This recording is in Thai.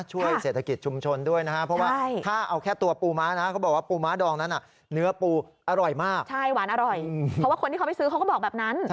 ช่วยเศรษฐกิจชุมชนด้วยนะครับ